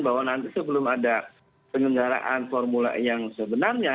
bahwa nanti sebelum ada pengenggaraan formula yang sebenarnya